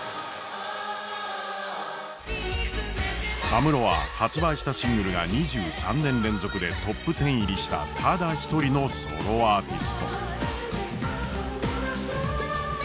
安室は発売したシングルが２３年連続でトップ１０入りしたただ一人のソロアーティスト。